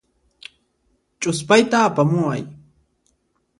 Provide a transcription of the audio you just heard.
Ch'uspayta apamuway.